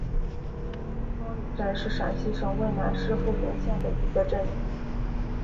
庄里镇是陕西省渭南市富平县的一个镇。